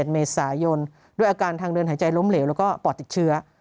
๑เมษายนด้วยอาการทางเดินหายใจล้มเหลวแล้วก็ปอดติดเชื้อ